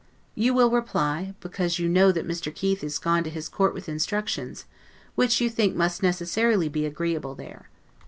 You will reply, Because you know that Mr. Keith is gone to his Court with instructions, which you think must necessarily be agreeable there.